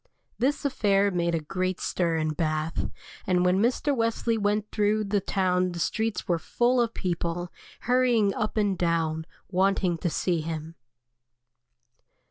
This affair made a great stir in Bath, and when Mr. Wesley went through the town the streets were full of people, hurrying up and down, wanting to see him.